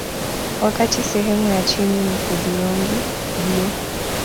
Wakati sehemu ya chini ni hudhurungi bluu